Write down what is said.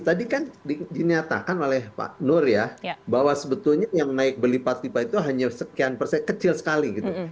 tadi kan dinyatakan oleh pak nur ya bahwa sebetulnya yang naik beli patipa itu hanya sekian persen kecil sekali gitu